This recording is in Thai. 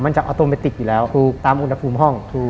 มันจะออโตเมติกอยู่แล้วตามอุณหภูมิห้อง